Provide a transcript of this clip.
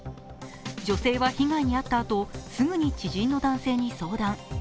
女性は被害に遭ったあとすぐに知人の男性に相談。